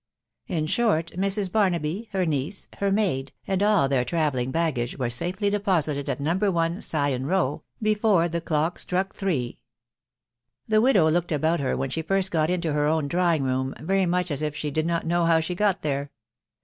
, In short, Mrs. Barnaby, her niece, her maid, and all their travelling baggage, were safely deposited at No. 1. Sion Row, before the clock struck three. The widow looked about her when she first got into her own drawing room very much as if she did not know how she got there.